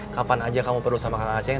kapan aja kamu perlu sama kang acing